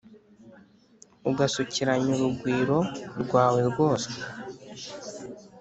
Ugasukiranya urugwiro rwawe rwose